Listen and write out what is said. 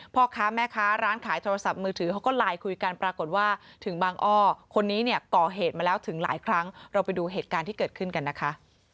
พ่อค้าแม่ค้าร้านขายโทรศัพท์มือถือเขาก็ไลน์คุยกันปรากฏว่าถึงบางอ้อคนนี้เนี่ยก่อเหตุมาแล้วถึงหลายครั้งเราไปดูเหตุการณ์ที่เกิดขึ้นกันนะคะ